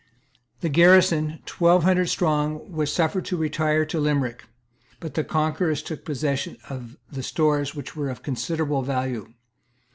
The garrison, twelve hundred strong, was suffered to retire to Limerick; but the conquerors took possession of the stores, which were of considerable value.